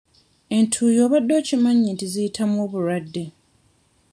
Entuuyo obadde okimanyi nti ziyitamu obulwadde?